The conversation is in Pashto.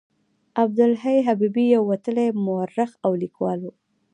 عبدالحي حبیبي یو وتلی مورخ او لیکوال و.